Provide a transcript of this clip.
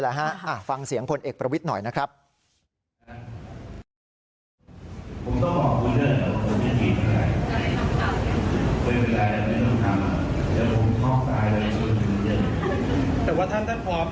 จะเอาอะไรผมมีกัน